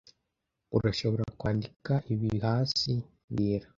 Urashobora kwandika ibi hasi mbwira